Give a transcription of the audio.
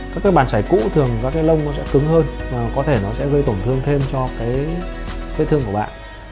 các cái màn chảy cũ thường các cái lông nó sẽ cứng hơn và có thể nó sẽ gây tổn thương thêm cho cái vết thương của bạn